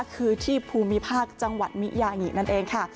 คือที่ภูมิภาคจังหวัดมิยางินั่นเองค่ะ